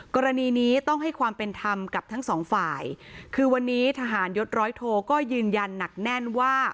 กรณีนี้ต้องให้ความเป็นธรรมกับทั้งสองฝ่ายคือวันนี้ทหารยศร้อยโทก็ยืนยันหนักแน่นว่า